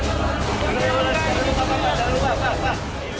jangan lupa jangan lupa jangan lupa